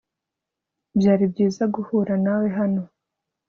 byari byiza guhura nawe hano